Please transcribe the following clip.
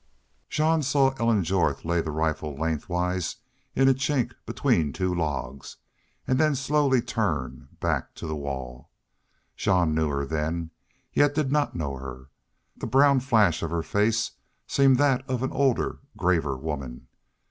Jean saw Ellen Jorth lay the rifle lengthwise in a chink between two logs and then slowly turn, back to the wall. Jean knew her then, yet did not know her. The brown flash of her face seemed that of an older, graver woman.